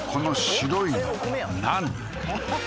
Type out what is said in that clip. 「白いの何？」